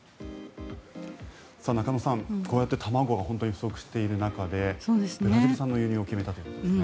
中野さん、こうやって卵が本当に不足している中でブラジル産の輸入を決めたということですね。